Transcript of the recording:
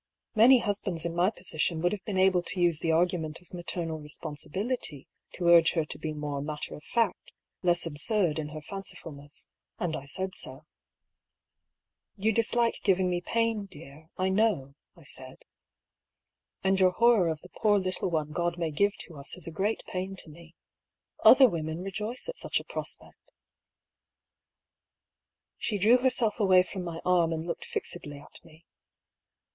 Many husbands in my position would have been able to use the argument of maternal responsibility to urge her to be more matter of fact, less absurd in her fancif ulness, and I said so. " You dislike giving me pain, dear, I know," I said. " And your horror of the poor little one God may give to us is a great pain to me. Other women rejoice at such a prospect." She drew herself away from my arm and looked fixedly at me.